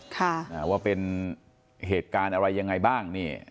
ค่ะอ่าว่าเป็นเหตุการณ์อะไรยังไงบ้างนี่